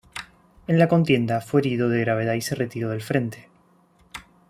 En la contienda, fue herido de gravedad y se retiró del frente.